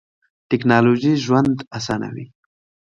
ټیکنالوژی ژوند اسانوی.